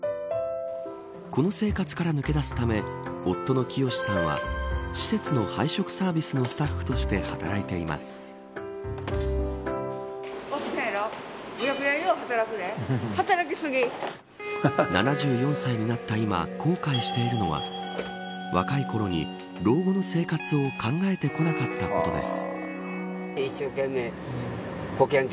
この生活から抜け出すため夫の清さんは施設の配食サービスの７４歳になった今後悔しているのは若いころに、老後の生活を考えてこなかったことです。